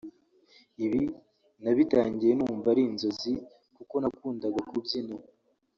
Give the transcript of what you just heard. Ibi nabitangiye numva ari inzozi kuko nakundaga kubyina